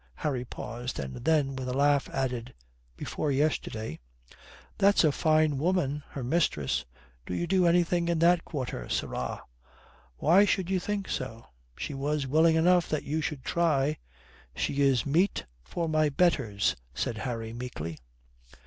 Harry paused, and then with a laugh added "before yesterday." "That's a fine woman, her mistress. Do you do anything in that quarter, sirrah?" "Why should you think so?" "She was willing enough that you should try." "She is meat for my betters," said Harry meekly.